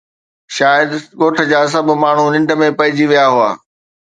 شايد ڳوٺ جا سڀ ماڻهو ننڊ ۾ پئجي ويا هئا